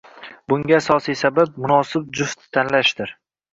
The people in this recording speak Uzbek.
Bunga asosiy sabab, munosib juft tanlashdir.